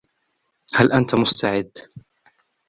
هل أنت مستعد ؟